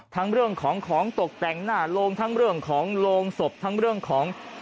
เรื่องของของตกแต่งหน้าโรงทั้งเรื่องของโรงศพทั้งเรื่องของ